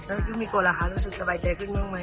แล้วก็ยุ่งมีกรตราคารู้สึกสบายใจขึ้นเรื่องมั้ย